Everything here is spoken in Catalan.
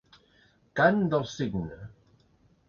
Cant del cigne.